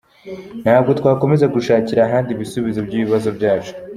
Ntabwo twakomeza gushakira ahandi ibisubizo by’ibibazo byacu.”